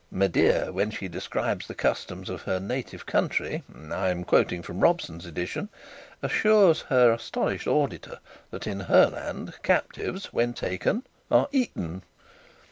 Medea, when she describes the customs of her native country (I am quoting from Robson's edition), assures her astonished auditor that in her land captives, when taken, are eaten.